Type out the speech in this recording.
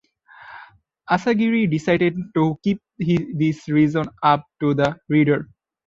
Asagiri decided to keep this reason up to the reader.